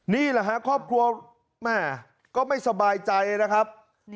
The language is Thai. นี่แหละฮะครอบครัวแม่ก็ไม่สบายใจนะครับ